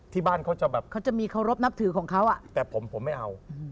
ที่บ้านเขาจะมีเคารพนับถือของเขาแต่ผมไม่เอา